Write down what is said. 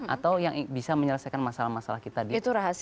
atau yang bisa menyelesaikan masalah masalah kita di rahasia